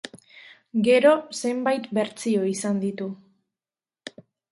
Gero, zenbait bertsio izan ditu.